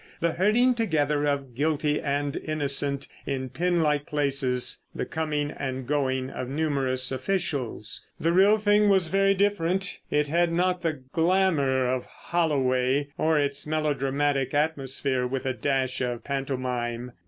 The herding together of guilty and innocent in pen like places. The coming and going of numerous officials. The real thing was very different. It had not got the glamour of Holloway, or its melodramatic atmosphere with a dash of pantomime.